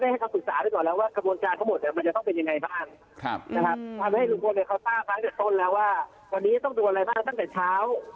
ทำให้ลุงพลต้าฟังจากต้นแล้วว่าวันนี้ต้องตรวจอะไรบ้างตั้งแต่เช้า